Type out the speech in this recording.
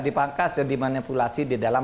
dipangkas dimanipulasi di dalam